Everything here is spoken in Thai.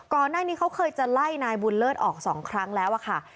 ก่อนหน้านี้เขาเคยจะไล่นายบุญเลิศออก๒ครั้งแล้วอะค่ะ